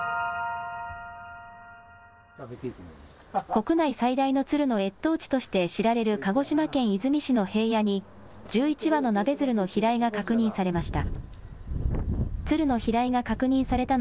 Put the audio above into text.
国内最大のツルの越冬地として知られる鹿児島県出水市の平野に１１羽のナベヅルの飛来が確認されました。